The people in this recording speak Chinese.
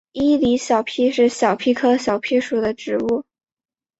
伊犁小檗是小檗科小檗属的植物。